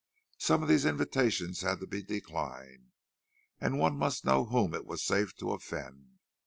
Some of these invitations had to be declined, and one must know whom it was safe to offend.